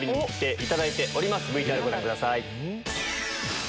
ＶＴＲご覧ください。